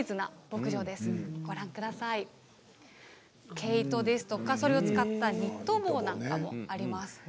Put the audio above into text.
毛糸や、それを使ったニット帽なんかもあります。